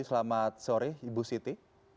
selamat sore ibu siti